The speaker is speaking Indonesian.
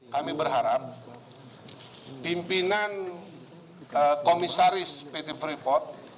kami berharap pimpinan komisaris pt freeport